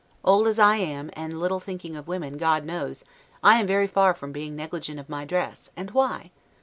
Old as I am, and little thinking of women, God knows, I am very far from being negligent of my dress; and why?